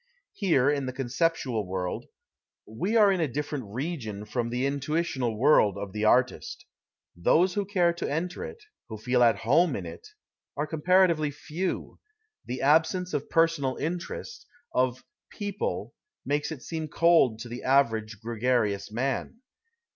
Here, in the conceptual world, we are in a different region from the intuitional world of the artist. Those who care to enter it, who feel at home in it, are comparatively few ; the absence of personal interest, of " people," makes it seem cold to the average, gregarious man.